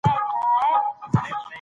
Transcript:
زده کړه د انسان د شعور کچه لوړوي.